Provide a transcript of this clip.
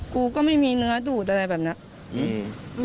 กูก็ไม่มีเนื้อดูดอะไรแบบนี้